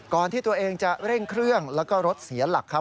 ที่ตัวเองจะเร่งเครื่องแล้วก็รถเสียหลักครับ